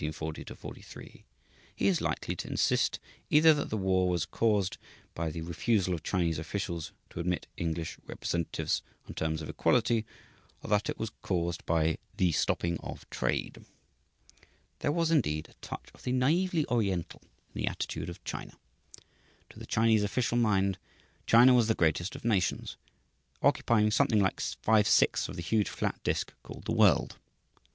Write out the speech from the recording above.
He is likely to insist either that the war was caused by the refusal of Chinese officials to admit English representatives on terms of equality, or that it was caused by "the stopping of trade." There was, indeed, a touch of the naively Oriental in the attitude of China. To the Chinese official mind, China was the greatest of nations, occupying something like five sixths of the huge flat disc called the world.